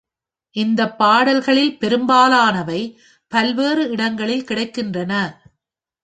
இந்த பாடல்களில் பெரும்பாலானவை, பல்வேறு இடங்களில் கிடைக்கின்றன.